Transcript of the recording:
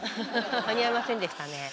間に合いませんでしたね。